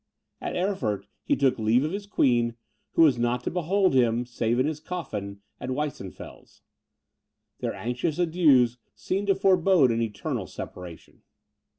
At Erfurt he took leave of his queen, who was not to behold him, save in his coffin, at Weissenfels. Their anxious adieus seemed to forbode an eternal separation.